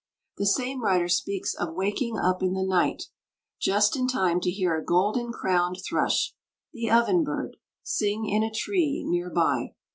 The same writer speaks of waking up in the night, just in time to hear a golden crowned thrush, the ovenbird, sing in a tree near by.